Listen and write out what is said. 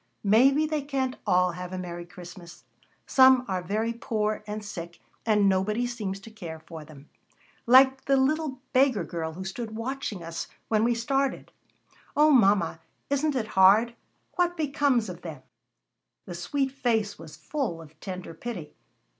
"Maybe they can't all have a merry Christmas. Some are very poor and sick, and nobody seems to care for them like the little beggar girl who stood watching us when we started. O mama! isn't it hard? What becomes of them?" The sweet face was full of tender pity.